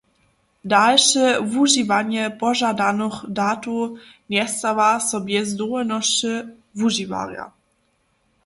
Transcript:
Dalše wužiwanje požadanych datow njestawa so bjez dowolnosće wužiwarja.